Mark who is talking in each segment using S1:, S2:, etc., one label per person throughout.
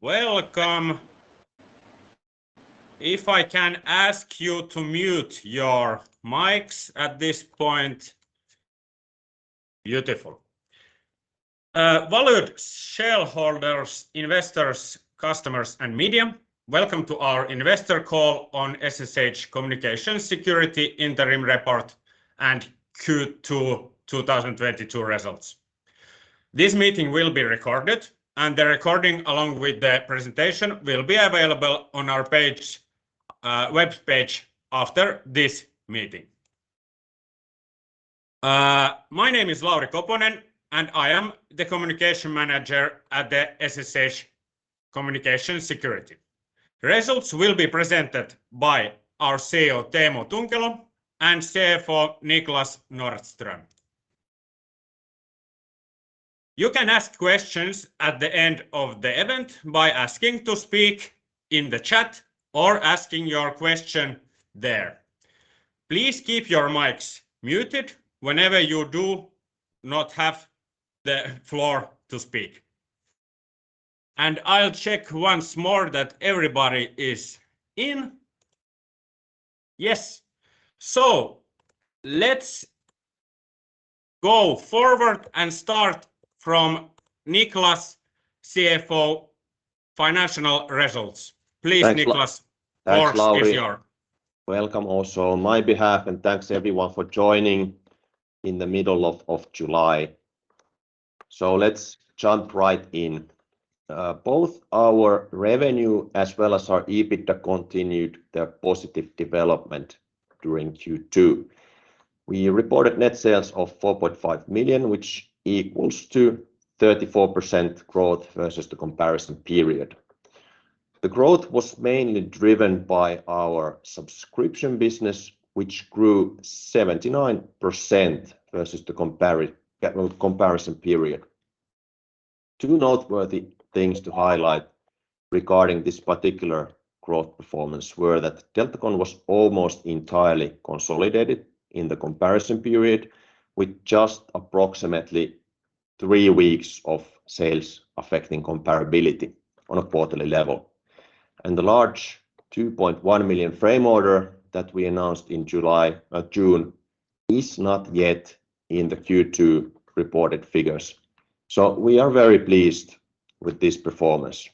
S1: Welcome. If I can ask you to mute your mics at this point. Beautiful. Valued shareholders, investors, customers and media, welcome to our investor call on SSH Communications Security Interim Report and Q2 2022 results. This meeting will be recorded, and the recording along with the presentation will be available on our webpage after this meeting. My name is Lauri Koponen, and I am the Communication Manager at SSH Communications Security. Results will be presented by our CEO, Teemu Tunkelo, and CFO Niklas Nordström. You can ask questions at the end of the event by asking to speak in the chat or asking your question there. Please keep your mics muted whenever you do not have the floor to speak. I'll check once more that everybody is in. Yes. Let's go forward and start from Niklas, CFO, financial results. Please, Niklas.
S2: Thanks, Lauri.
S1: The floor is yours.
S2: Welcome also on my behalf, and thanks everyone for joining in the middle of July. Let's jump right in. Both our revenue as well as our EBITDA continued their positive development during Q2. We reported net sales of 4.5 million, which equals to 34% growth versus the comparison period. The growth was mainly driven by our subscription business, which grew 79% versus the comparison period. Two noteworthy things to highlight regarding this particular growth performance were that Deltagon was almost entirely consolidated in the comparison period with just approximately three weeks of sales affecting comparability on a quarterly level. The large 2.1 million frame order that we announced in June is not yet in the Q2 reported figures. We are very pleased with this performance.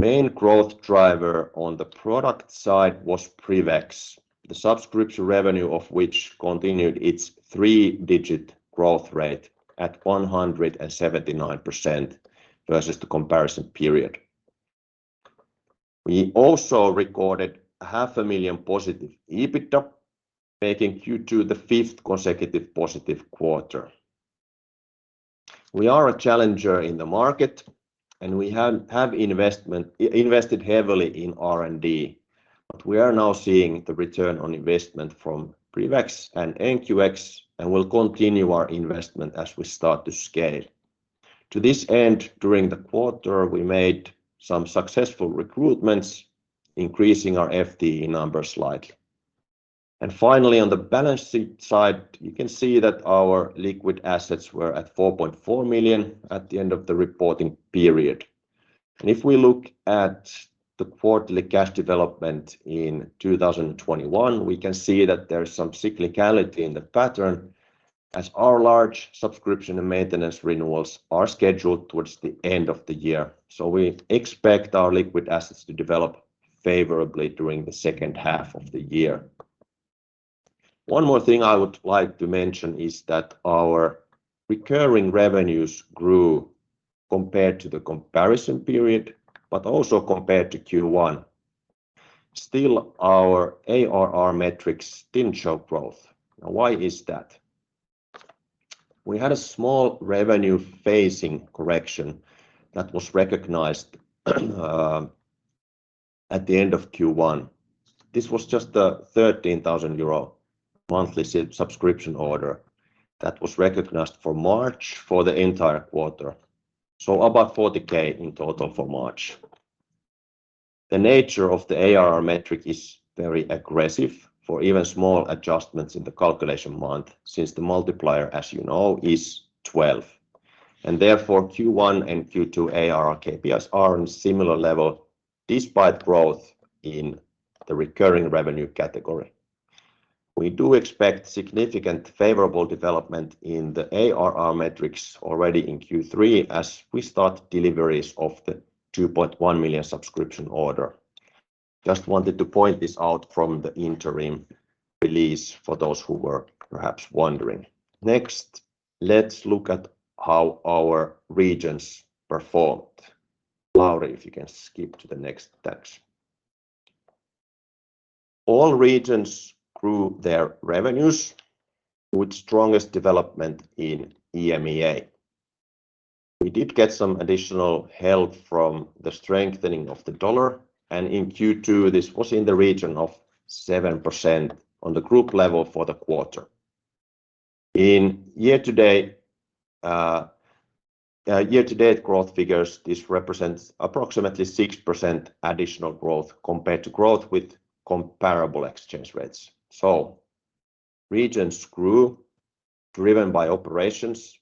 S2: Main growth driver on the product side was PrivX, the subscription revenue of which continued its three-digit growth rate at 179% versus the comparison period. We also recorded 500,00+ EBITDA, making Q2 the fifth consecutive positive quarter. We are a challenger in the market, and we have invested heavily in R&D, but we are now seeing the return on investment from PrivX and NQX and will continue our investment as we start to scale. To this end, during the quarter, we made some successful recruitments, increasing our FTE numbers slightly. Finally, on the balance sheet side, you can see that our liquid assets were at 4.4 million at the end of the reporting period. If we look at the quarterly cash development in 2021, we can see that there is some cyclicality in the pattern as our large subscription and maintenance renewals are scheduled towards the end of the year. We expect our liquid assets to develop favorably during the second half of the year. One more thing I would like to mention is that our recurring revenues grew compared to the comparison period but also compared to Q1. Still, our ARR metrics didn't show growth. Now, why is that? We had a small revenue phasing correction that was recognized at the end of Q1. This was just a 13,000 euro monthly subscription order that was recognized for March for the entire quarter. About 40,000 in total for March. The nature of the ARR metric is very aggressive for even small adjustments in the calculation month since the multiplier, as you know, is 12, and therefore Q1 and Q2 ARR KPIs are on similar level despite growth in the recurring revenue category. We do expect significant favorable development in the ARR metrics already in Q3 as we start deliveries of the 2.1 million subscription order. Just wanted to point this out from the interim release for those who were perhaps wondering. Next, let's look at how our regions performed. Lauri, if you can skip to the next slide. All regions grew their revenues with strongest development in EMEA. We did get some additional help from the strengthening of the dollar, and in Q2 this was in the region of 7% on the group level for the quarter. The year-to-date growth figures, this represents approximately 6% additional growth compared to growth with comparable exchange rates. Regions grew, driven by operations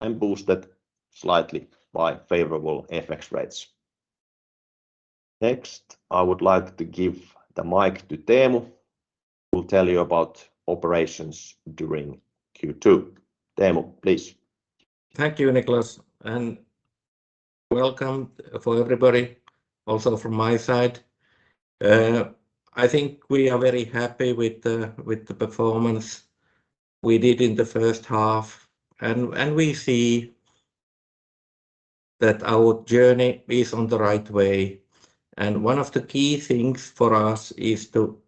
S2: and boosted slightly by favorable FX rates. Next, I would like to give the mic to Teemu, who will tell you about operations during Q2. Teemu, please.
S3: Thank you, Niklas, and welcome for everybody also from my side. I think we are very happy with the performance we did in the first half, and we see that our journey is on the right way. One of the key things for us is to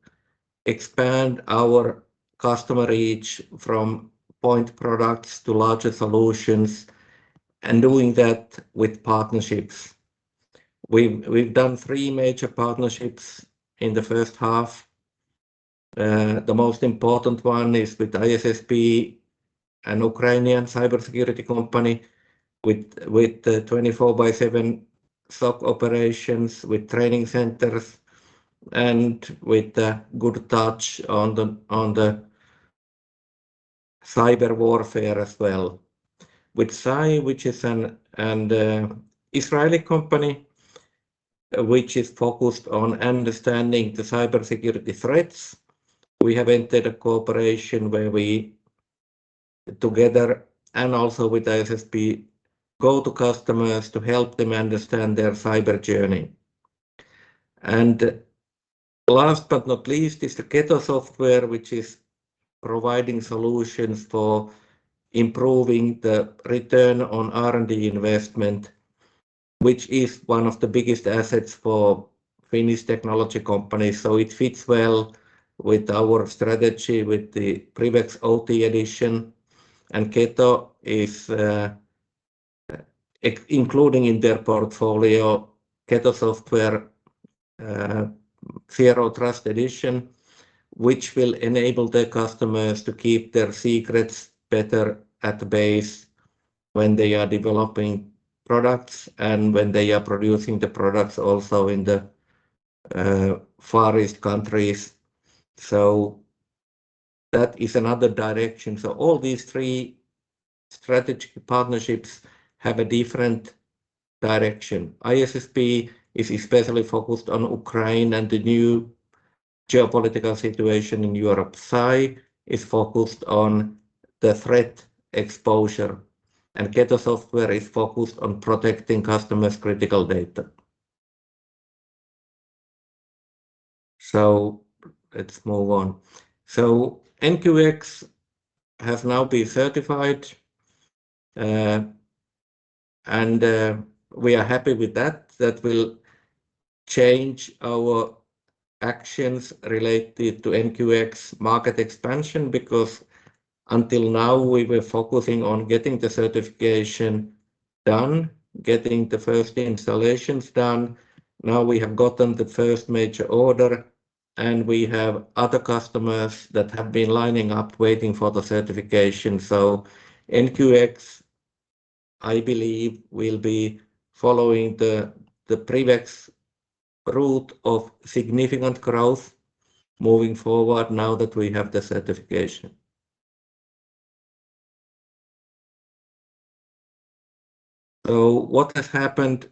S3: expand our customer reach from point products to larger solutions and doing that with partnerships. We've done three major partnerships in the first half. The most important one is with ISSP, an Ukrainian cybersecurity company with 24/7 SOC operations, with training centers, and with a good touch on the cyber warfare as well. With CYE, which is an Israeli company, which is focused on understanding the cybersecurity threats. We have entered a cooperation where we together, and also with ISSP, go to customers to help them understand their cyber journey. Last but not least is the Keto Software, which is providing solutions for improving the return on R&D investment, which is one of the biggest assets for Finnish technology companies. It fits well with our strategy with the PrivX OT Edition. Keto is including in their portfolio, Keto Software Zero Trust Edition, which will enable their customers to keep their secrets better at bay when they are developing products and when they are producing the products also in the Far East countries. That is another direction. All these three strategic partnerships have a different direction. ISSP is especially focused on Ukraine and the new geopolitical situation in Europe. CYE is focused on the threat exposure, and Keto Software is focused on protecting customers' critical data. Let's move on. NQX has now been certified, and we are happy with that. That will change our actions related to NQX market expansion, because until now we were focusing on getting the certification done, getting the first installations done. Now we have gotten the first major order, and we have other customers that have been lining up waiting for the certification. NQX, I believe, will be following the PrivX route of significant growth moving forward now that we have the certification. What has happened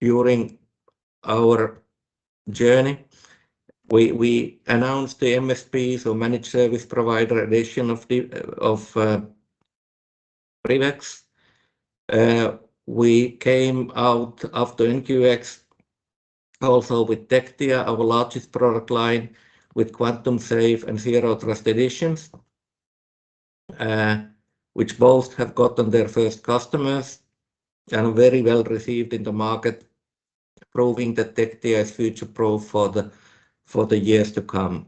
S3: during our journey? We announced the MSP, so managed service provider edition of the PrivX. We came out after NQX also with Tectia, our largest product line, with Quantum-Safe and Zero Trust Editions, which both have gotten their first customers and very well received in the market, proving that Tectia is future-proof for the years to come.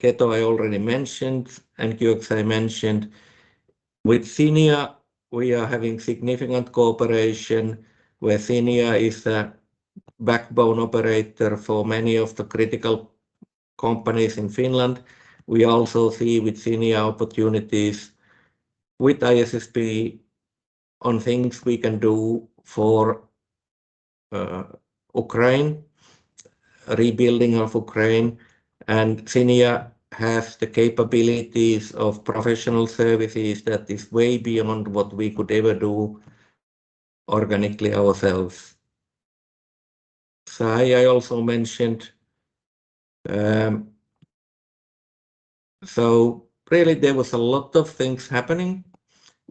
S3: Keto I already mentioned. NQX I mentioned. With Cinia, we are having significant cooperation where Cinia is a backbone operator for many of the critical companies in Finland. We also see with Cinia opportunities with ISSP on things we can do for Ukraine, rebuilding of Ukraine. Cinia has the capabilities of professional services that is way beyond what we could ever do organically ourselves. CYE I also mentioned. Really there was a lot of things happening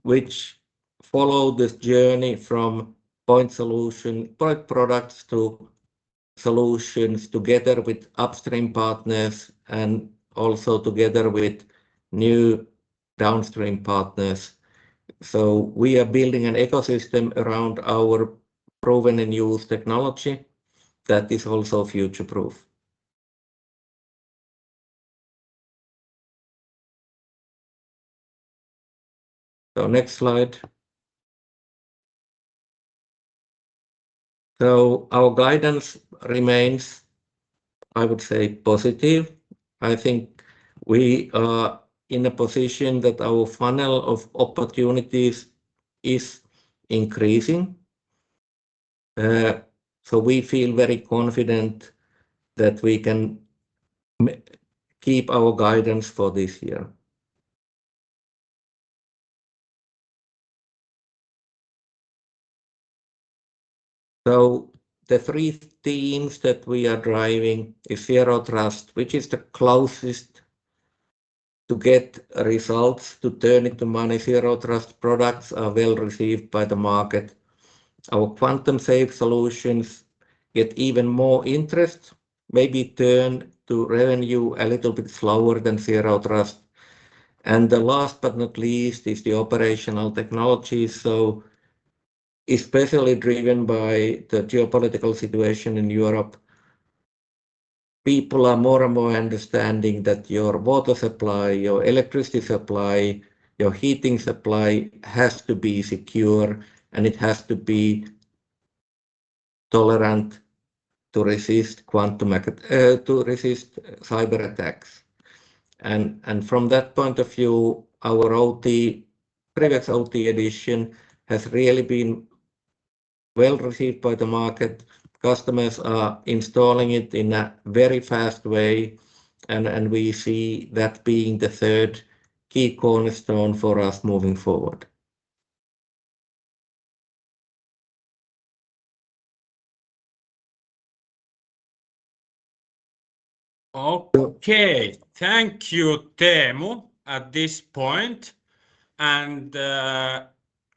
S3: which follow this journey from point solution, point products to solutions together with upstream partners and also together with new downstream partners. We are building an ecosystem around our proven and used technology that is also future-proof. Next slide. Our guidance remains, I would say positive. I think we are in a position that our funnel of opportunities is increasing. We feel very confident that we can keep our guidance for this year. The three themes that we are driving is Zero Trust, which is the closest to get results to turn into money. Zero Trust products are well received by the market. Our Quantum-Safe solutions get even more interest, maybe turn to revenue a little bit slower than Zero Trust. The last but not least is the operational technology. Especially driven by the geopolitical situation in Europe, people are more and more understanding that your water supply, your electricity supply, your heating supply has to be secure and it has to be tolerant to resist quantum attack, to resist cyber attacks. From that point of view, our OT PrivX OT Edition has really been well received by the market. Customers are installing it in a very fast way and we see that being the third key cornerstone for us moving forward.
S1: Okay. Thank you, Teemu, at this point.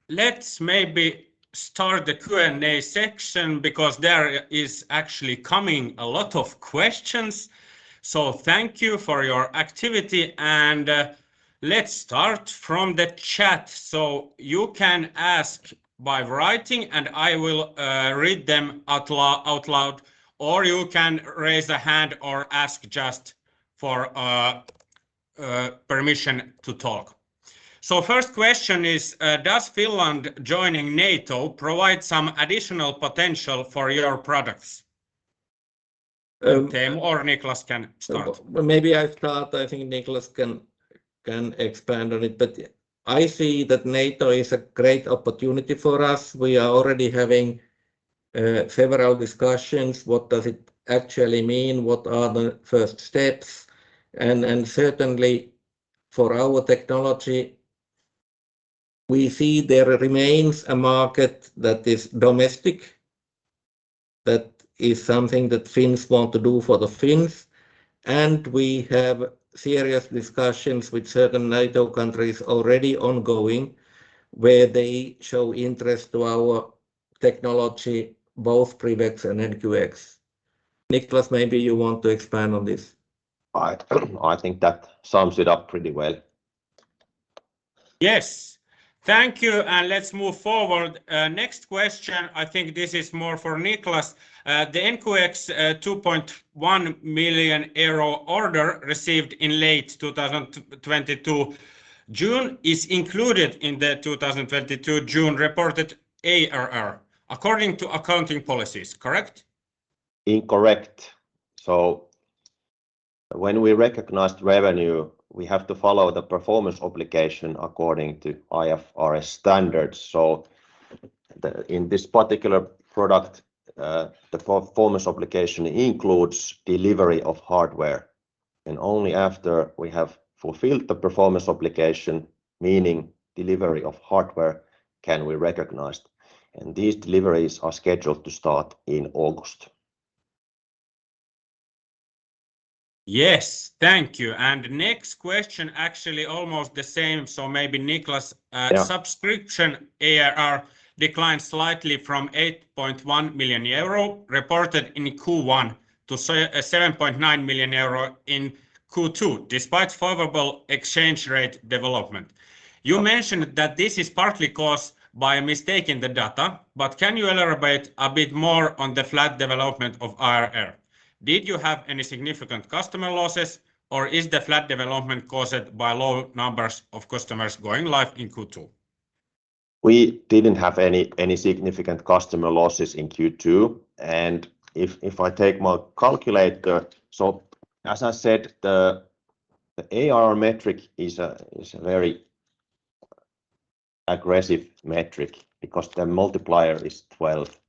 S1: Let's maybe start the Q&A section because there is actually coming a lot of questions. Thank you for your activity. Let's start from the chat. You can ask by writing, and I will read them out loud, or you can raise a hand or ask just for permission to talk. First question is, "Does Finland joining NATO provide some additional potential for your products?" Teemu or Niklas can start.
S3: Maybe I start. I think Niklas can expand on it. I see that NATO is a great opportunity for us. We are already having several discussions. What does it actually mean? What are the first steps? Certainly for our technology, we see there remains a market that is domestic, that is something that Finns want to do for the Finns. We have serious discussions with certain NATO countries already ongoing, where they show interest to our technology, both PrivX and NQX. Niklas, maybe you want to expand on this.
S2: I think that sums it up pretty well.
S1: Yes. Thank you, and let's move forward. Next question. I think this is more for Niklas. The NQX, 2.1 million euro order received in late 2022 June is included in the 2022 June reported ARR according to accounting policies, correct?
S2: Incorrect. When we recognize revenue, we have to follow the performance obligation according to IFRS standards. In this particular product, the performance obligation includes delivery of hardware. Only after we have fulfilled the performance obligation, meaning delivery of hardware, can we recognize it. These deliveries are scheduled to start in August.
S1: Yes. Thank you. Next question, actually almost the same, so maybe Niklas.
S2: Yeah.
S1: Subscription ARR declined slightly from 8.1 million euro reported in Q1 to 7.9 million euro in Q2 despite favorable exchange rate development. You mentioned that this is partly caused by a mistake in the data, but can you elaborate a bit more on the flat development of ARR? Did you have any significant customer losses, or is the flat development caused by low numbers of customers going live in Q2?
S2: We didn't have any significant customer losses in Q2. If I take my calculator. As I said, the ARR metric is a very aggressive metric because the multiplier is 12.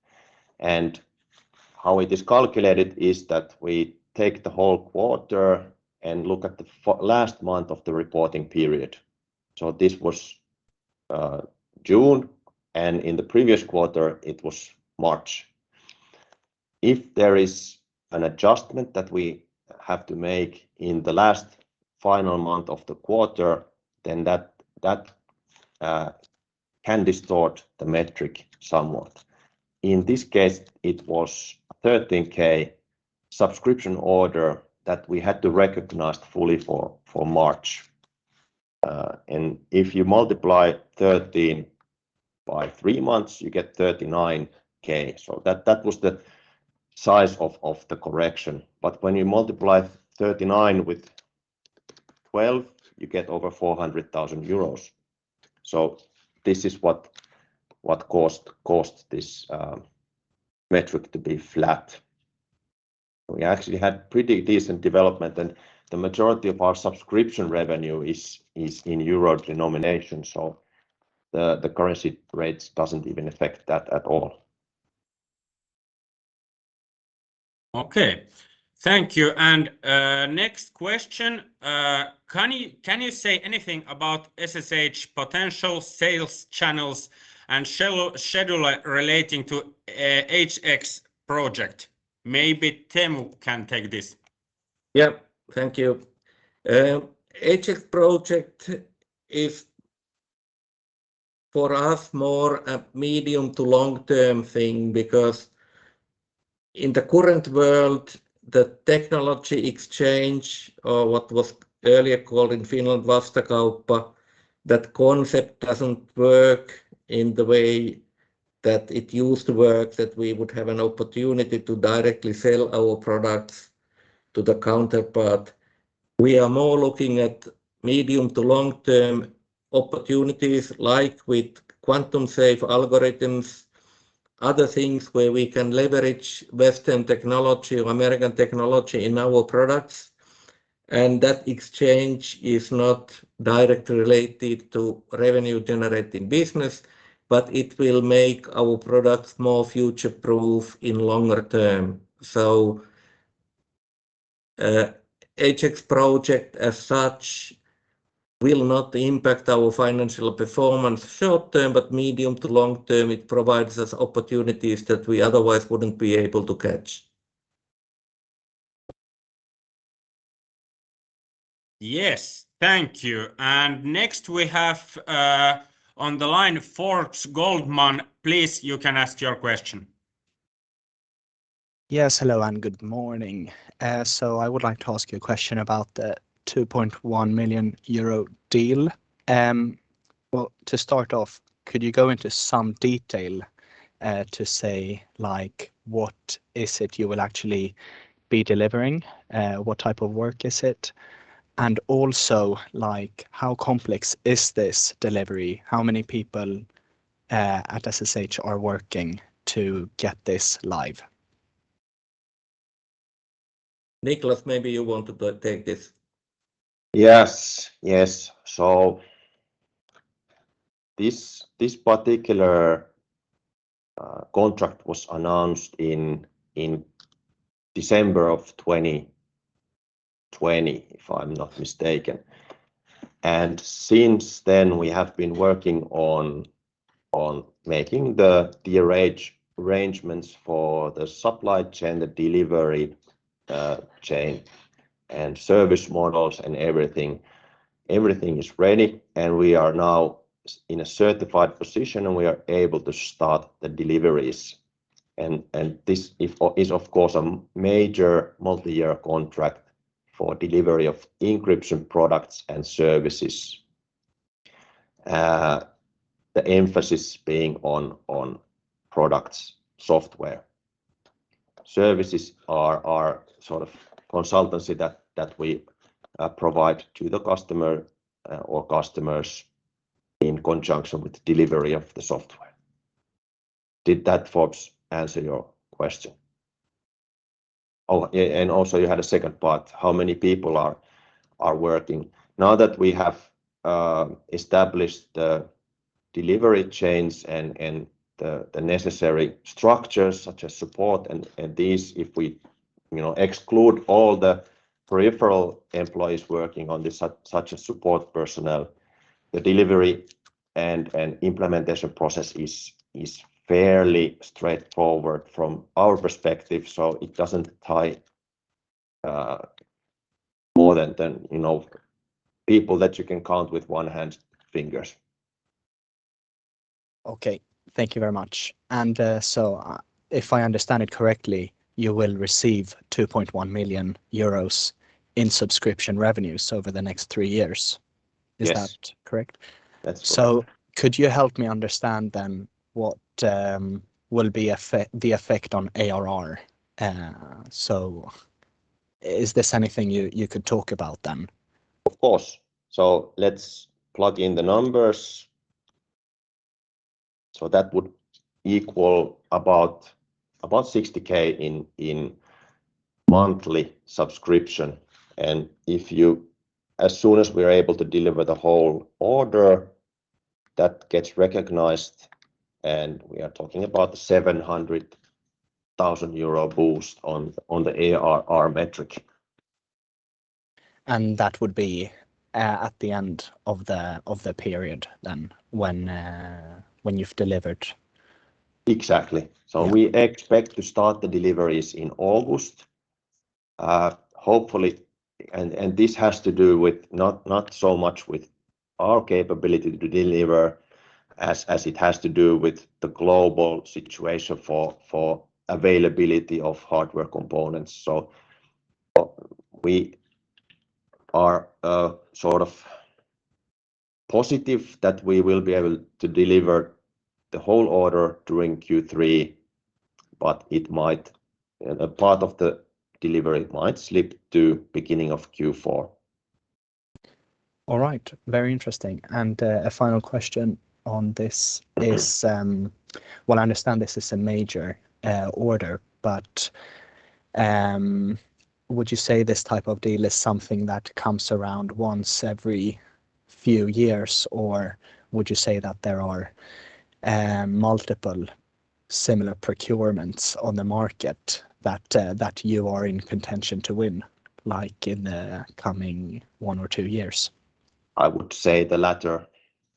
S2: How it is calculated is that we take the whole quarter and look at the last month of the reporting period. This was June, and in the previous quarter it was March. If there is an adjustment that we have to make in the last final month of the quarter, then that can distort the metric somewhat. In this case, it was EUR 13K subscription order that we had to recognize fully for March. If you multiply 13 by three months, you get 39K. That was the size of the correction. When you multiply 39 with 12, you get over 400,000 euros. This is what caused this metric to be flat. We actually had pretty decent development, and the majority of our subscription revenue is in euro denomination, so the currency rates doesn't even affect that at all.
S1: Okay. Thank you. Next question. Can you say anything about SSH potential sales channels and schedule relating to HX project? Maybe Teemu can take this.
S3: Yeah. Thank you. HX project is for us more a medium- to long-term thing because in the current world, the technology exchange or what was earlier called in Finland vastakauppa, that concept doesn't work in the way that it used to work, that we would have an opportunity to directly sell our products to the counterpart. We are more looking at medium- to long-term opportunities like with quantum-safe algorithms, other things where we can leverage Western technology or American technology in our products, and that exchange is not directly related to revenue generating business, but it will make our products more future-proof in longer-term. HX project as such will not impact our financial performance short-term, but medium- to long-term it provides us opportunities that we otherwise wouldn't be able to catch.
S1: Yes. Thank you. Next we have on the line Forbes Goldman. Please, you can ask your question.
S4: Yes, hello and good morning. I would like to ask you a question about the 2.1 million euro deal. Well, to start off, could you go into some detail to say like what is it you will actually be delivering? What type of work is it? And also like how complex is this delivery? How many people at SSH are working to get this live?
S3: Niklas, maybe you want to take this.
S2: Yes. Yes. This particular contract was announced in December of 2020, if I'm not mistaken. Since then we have been working on making the arrangements for the supply chain, the delivery chain and service models and everything. Everything is ready and we are now in a certified position and we are able to start the deliveries. This is of course a major multi-year contract for delivery of encryption products and services. The emphasis being on products, software. Services are sort of consultancy that we provide to the customer or customers in conjunction with delivery of the software. Did that, Forbes, answer your question? Oh, yeah, and also you had a second part. How many people are working? Now that we have established the delivery chains and the necessary structures such as support and this, if we, you know, exclude all the peripheral employees working on this such as support personnel, the delivery and implementation process is fairly straightforward from our perspective, so it doesn't tie more than, you know, people that you can count with one hand's fingers.
S4: Okay. Thank you very much. If I understand it correctly, you will receive 2.1 million euros in subscription revenues over the next three years.
S2: Yes.
S4: Is that correct?
S2: That's correct.
S4: Could you help me understand then what will be the effect on ARR? Is this anything you could talk about then?
S2: Of course. Let's plug in the numbers. That would equal about 60k in monthly subscription. As soon as we're able to deliver the whole order, that gets recognized, and we are talking about 700,000 euro boost on the ARR metric.
S4: That would be at the end of the period then when you've delivered?
S2: Exactly.
S4: Yeah.
S2: We expect to start the deliveries in August. Hopefully, this has to do with not so much with our capability to deliver as it has to do with the global situation for availability of hardware components. We are sort of positive that we will be able to deliver the whole order during Q3, but it might and a part of the delivery might slip to beginning of Q4.
S4: All right. Very interesting. A final question on this is.
S2: Mm-hmm
S4: Well, I understand this is a major order, but would you say this type of deal is something that comes around once every few years? Or would you say that there are multiple similar procurements on the market that you are in contention to win, like in the coming one or two years?
S2: I would say the latter,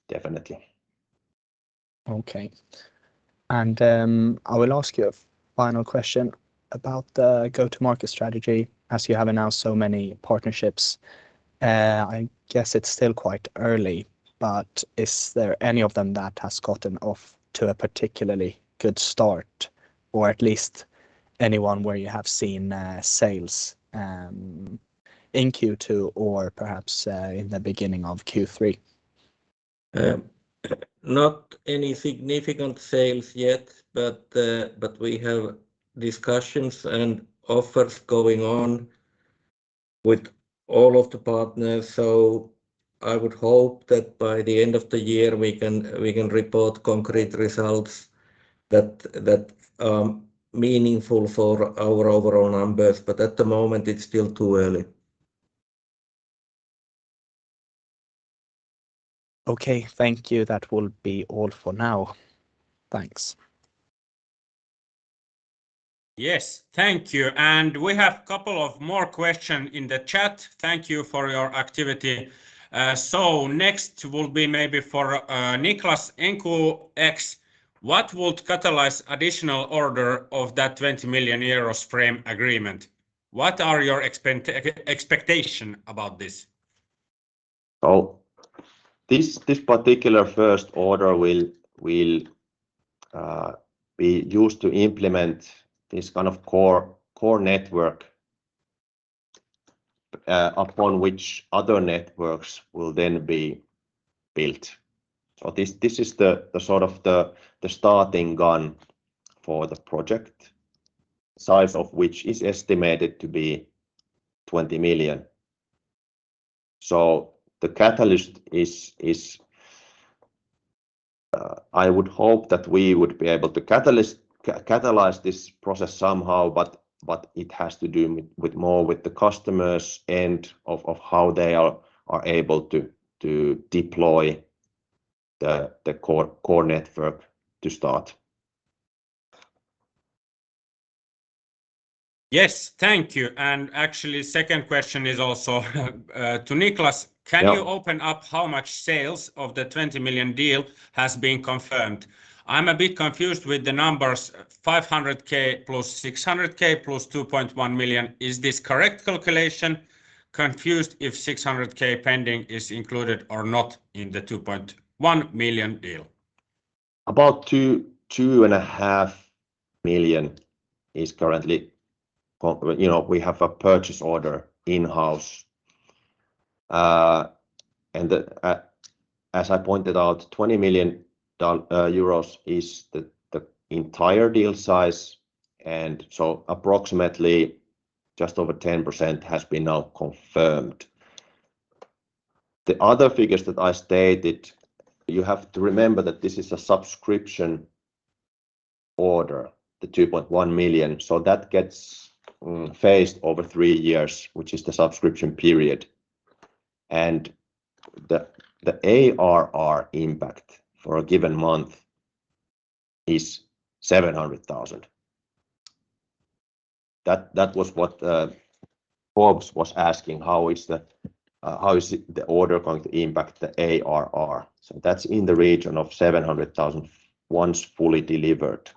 S2: definitely.
S4: Okay. I will ask you a final question about the go-to-market strategy, as you have announced so many partnerships. I guess it's still quite early, but is there any of them that has gotten off to a particularly good start, or at least anyone where you have seen sales in Q2 or perhaps in the beginning of Q3?
S3: Not any significant sales yet, but we have discussions and offers going on with all of the partners. I would hope that by the end of the year we can report concrete results that are meaningful for our overall numbers. At the moment it's still too early.
S4: Okay. Thank you. That will be all for now. Thanks.
S1: Yes. Thank you. We have a couple more questions in the chat. Thank you for your activity. Next will be maybe for Niklas. NQX, what would catalyze additional order of that 20 million euros frame agreement? What are your expectation about this?
S2: This particular first order will be used to implement this kind of core network upon which other networks will then be built. This is the sort of starting gun for the project, size of which is estimated to be 20 million. The catalyst is, I would hope that we would be able to catalyze this process somehow, but it has to do more with the customers and how they are able to deploy the core network to start.
S1: Yes. Thank you. Actually second question is also to Niklas.
S2: Yeah.
S1: Can you open up how much sales of the 20 million deal has been confirmed? I'm a bit confused with the numbers 500K + 600K + 2.1 million. Is this correct calculation? Confused if 600K pending is included or not in the 2.1 million deal.
S2: About 2.5 million is currently confirmed. You know, we have a purchase order in-house. As I pointed out, 20 million euros is the entire deal size. Approximately just over 10% has been now confirmed. The other figures that I stated, you have to remember that this is a subscription order, the 2.1 million. That gets phased over three years, which is the subscription period. The ARR impact for a given month is 700,000. That was what Forbes was asking. How is the order going to impact the ARR? That's in the region of 700,000 once fully delivered.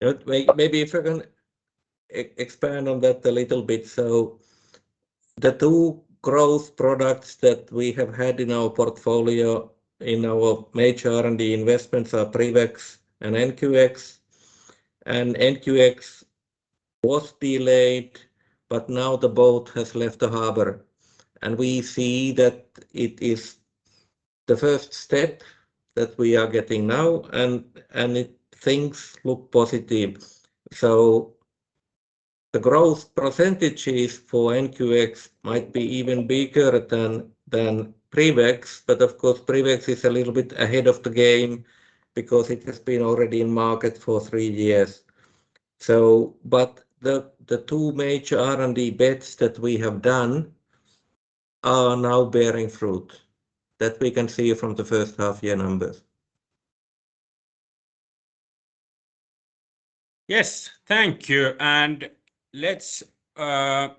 S3: Yeah. Maybe if I can expand on that a little bit. The two growth products that we have had in our portfolio, in our major R&D investments are PrivX and NQX. NQX was delayed, but now the boat has left the harbor. We see that it is the first step that we are getting now, and it, things look positive. The growth percentages for NQX might be even bigger than PrivX. Of course PrivX is a little bit ahead of the game because it has been already in market for three years. The two major R&D bets that we have done are now bearing fruit. That we can see from the first half year numbers.
S1: Yes. Thank you. Let's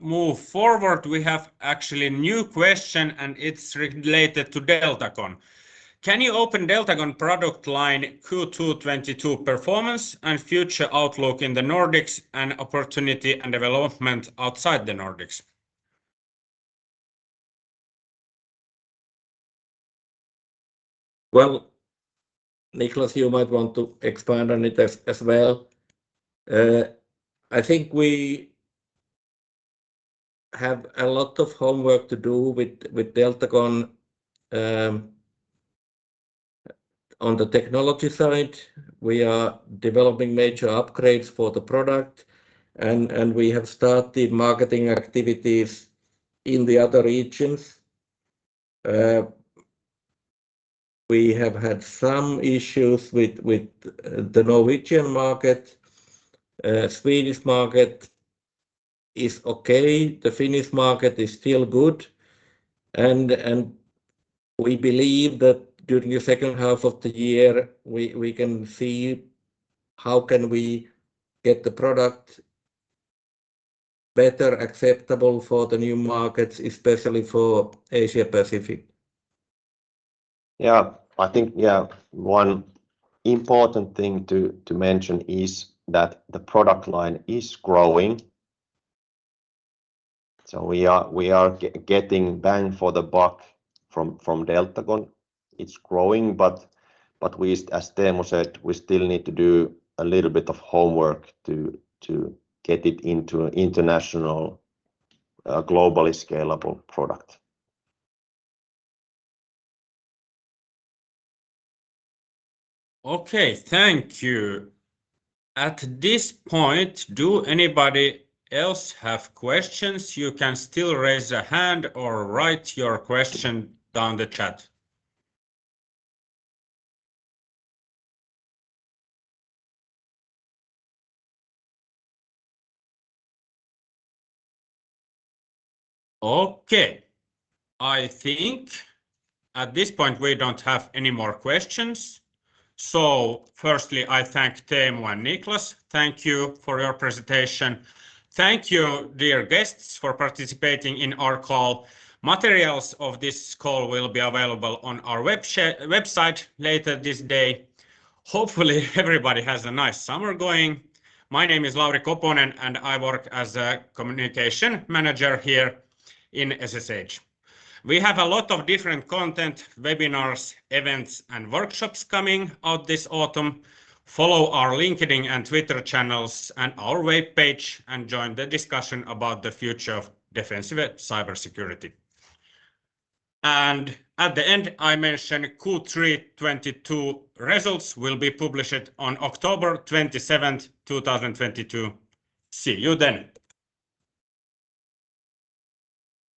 S1: move forward. We have actually new question, and it's related to Deltagon. Can you open Deltagon product line Q2 2022 performance and future outlook in the Nordics and opportunity and development outside the Nordics?
S3: Well, Niklas, you might want to expand on it as well. I think we have a lot of homework to do with Deltagon on the technology side. We are developing major upgrades for the product and we have started marketing activities in the other regions. We have had some issues with the Norwegian market. Swedish market is okay. The Finnish market is still good. We believe that during the second half of the year, we can see how can we get the product better acceptable for the new markets, especially for Asia-Pacific.
S2: Yeah. I think, yeah, one important thing to mention is that the product line is growing. We are getting bang for the buck from Deltagon. It's growing, but we, as Teemu said, still need to do a little bit of homework to get it into international, globally scalable product.
S1: Okay. Thank you. At this point, do anybody else have questions? You can still raise a hand or write your question in the chat. Okay. I think at this point we don't have any more questions. Firstly, I thank Teemu and Niklas. Thank you for your presentation. Thank you, dear guests, for participating in our call. Materials of this call will be available on our website later this day. Hopefully, everybody has a nice summer going. My name is Lauri Koponen, and I work as a Communication Manager here in SSH. We have a lot of different content, webinars, events, and workshops coming out this autumn. Follow our LinkedIn and Twitter channels and our webpage, and join the discussion about the future of defensive cybersecurity. At the end, I mention Q3 2022 results will be published on October 27th, 2022. See you then.